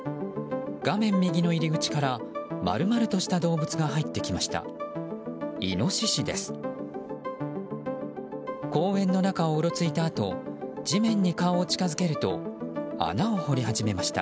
画面右の入り口から丸々とした動物が入ってきました。